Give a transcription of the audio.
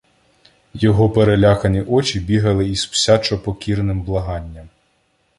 Його перелякані очі бігали із псячо-покірним благанням.